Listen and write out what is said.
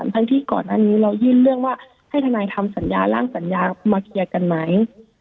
ทั้งที่ก่อนอันนี้เรายื่นเรื่องว่าให้ทนายทำสัญญาร่างสัญญามาเคลียร์กันไหม